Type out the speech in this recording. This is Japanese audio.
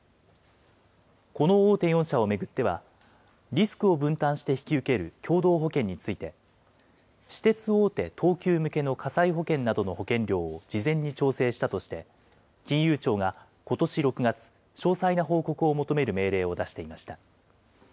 この大手４社を巡っては、リスクを分担して引き受ける共同保険について、私鉄大手、東急向けの火災保険などの保険料を事前に調整したとして、金融庁がことし６月、詳細な報告を求める命令を出していました。